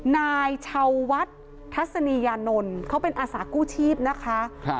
นายชาววัดทัศนียานนท์เขาเป็นอาสากู้ชีพนะคะ